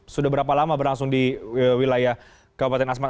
sudah berapa lama berlangsung di wilayah kabupaten asmat